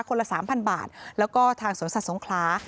ละ๓๐๐บาทแล้วก็ทางสวนสัตว์สงขลา